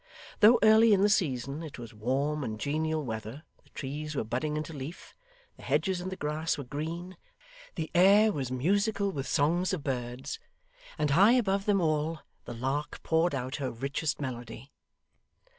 Though early in the season, it was warm and genial weather; the trees were budding into leaf, the hedges and the grass were green, the air was musical with songs of birds, and high above them all the lark poured out her richest melody.